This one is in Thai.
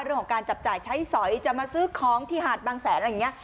เรื่องของการจับจ่ายใช้สอยจะมาซื้อของที่หาดบางแสนอะไรอย่างนี้